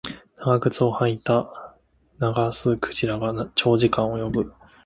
長靴を履いたナガスクジラが長時間泳ぐ